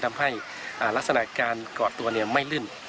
ทำให้ลักษณะการเกาะตัวเนี่ยไม่ลื่น